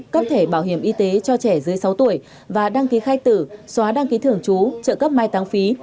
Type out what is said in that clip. cấp thể bảo hiểm y tế cho trẻ dưới sáu tuổi và đăng ký khai tử xóa đăng ký thưởng chú trợ cấp mai tăng phí